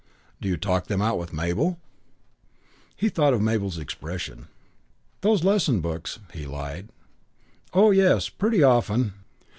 Do you talk them out with Mabel?" He thought of Mabel's expression. "Those lesson books." He lied. "Oh, yes. Pretty often."